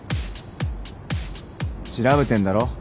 調べてんだろ？